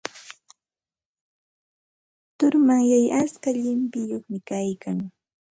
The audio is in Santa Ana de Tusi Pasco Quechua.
Turumanyay atska llimpiyuqmi kaykan.